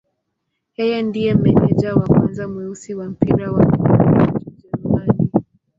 Yeye ndiye meneja wa kwanza mweusi wa mpira wa miguu huko Ujerumani.